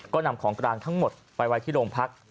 ก็นำของกลางทั้งหมดไปไว้ที่โรงพัก